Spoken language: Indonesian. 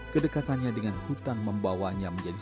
kedekatannya dengan hutan membawanya menjadi